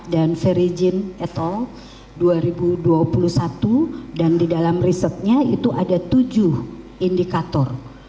dan feri jin et al dua ribu dua puluh satu dan di dalam risetnya itu ada tujuh indikator